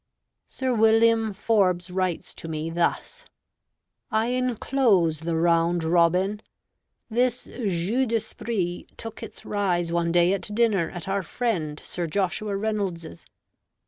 Sir William Forbes writes to me thus: "I inclose the 'Round Robin.' This jeu d'esprit took its rise one day at dinner at our friend Sir Joshua Reynolds's.